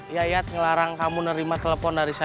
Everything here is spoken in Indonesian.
yayat ngelarang kamu nerima telepon dari saya